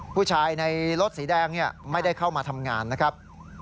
ผู้ชายในรถสีแดงไม่ได้เข้ามาทำงานนะครับ